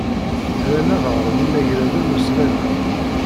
Ran ad ɣren imagraden ussnanen.